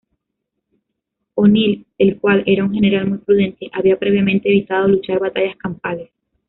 O'Neill, el cual era un general muy prudente, había previamente evitado luchar batallas campales.